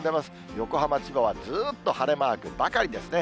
横浜、千葉はずーっと晴れマークばかりですね。